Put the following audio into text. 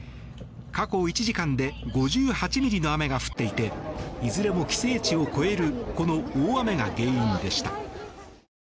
過去１時間で５８ミリの雨が降っていていずれも規制値を超えるこの大雨が原因でした。